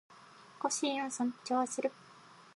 個性を尊重する